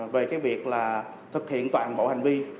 về cái việc là thực hiện toàn bộ hành vi